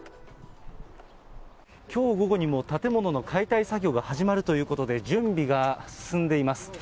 きょう午後にも、建物の解体作業が始まるということで、準備が進んでいます。